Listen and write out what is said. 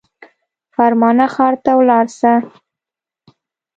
فرمانه ښار ته ولاړ سه.